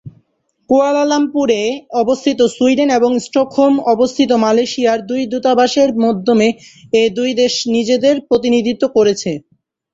কুয়ালালামপুরে অবস্থিত সুইডেনের এবং স্টকহোমে অবস্থিত মালয়েশিয়ার দূতাবাসের মাধ্যমে এ দুই দেশ নিজেদের প্রতিনিধিত্ব করছে।